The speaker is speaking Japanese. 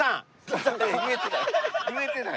言えてない。